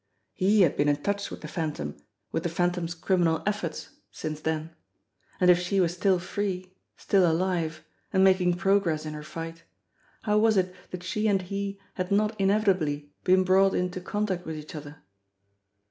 He had been in touch with the Phantom, with the Phantom's criminal efforts since then. And if she were still free, still alive, and making progress in her fight, how was it that she and he had not inevitably been brought into contact with each other